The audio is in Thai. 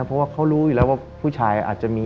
เพราะว่าเขารู้อยู่แล้วว่าผู้ชายอาจจะมี